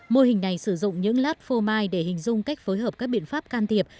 mô hình này sử dụng những lát phô mai để hình dung cách phối hợp các biện pháp can thiệp